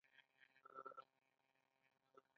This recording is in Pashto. آیا دوی وسپنه او فولاد نه صادروي؟